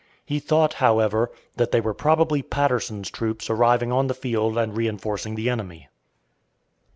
He thought, however, that they were probably Patterson's troops arriving on the field and reënforcing the enemy.